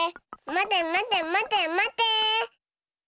まてまてまてまて。